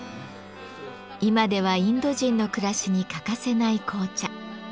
今ではインド人の暮らしに欠かせない紅茶。